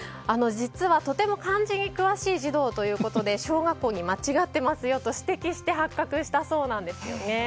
実は、とても漢字に詳しい児童ということで小学校に間違ってますよと指摘して発覚したそうなんです。